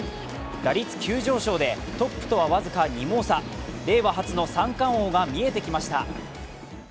打率急上昇でトップとは僅か２毛差令和初の三冠王が見えてきました。